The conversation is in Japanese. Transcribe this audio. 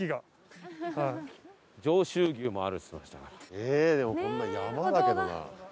えっでもこんな山だけどな。